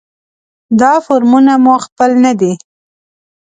دا فورمونه مو خپل نه دي.